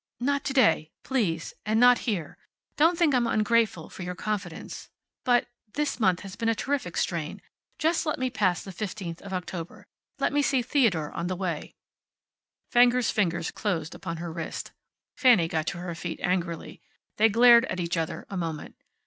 "Not to day. Please. And not here. Don't think I'm ungrateful for your confidence. But this month has been a terrific strain. Just let me pass the fifteenth of October. Let me see Theodore on the way " Fenger's fingers closed about her wrist. Fanny got to her feet angrily. They glared at each other a moment.